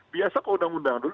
biasa ke undang undang dulu